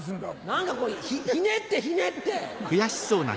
何かひねってひねって！